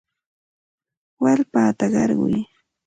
Wallpata qarquy.